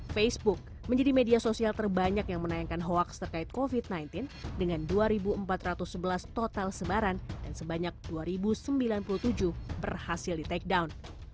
facebook menjadi media sosial terbanyak yang menayangkan hoaks terkait covid sembilan belas dengan dua empat ratus sebelas total sebaran dan sebanyak dua sembilan puluh tujuh berhasil di take down